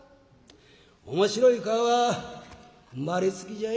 「面白い顔は生まれつきじゃい」。